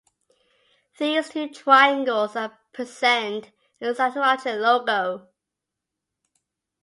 These two triangles are present in the Scientology logo.